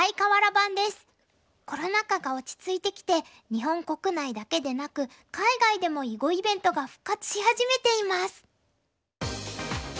コロナ禍が落ち着いてきて日本国内だけでなく海外でも囲碁イベントが復活し始めています。